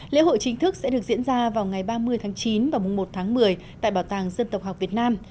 lễ hội chính thức sẽ được diễn ra vào ngày ba mươi tháng chín và một tháng một mươi tại bảo tàng dân tộc học việt nam